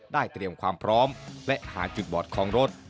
เตรียมความพร้อมและหาจุดบอดของรถ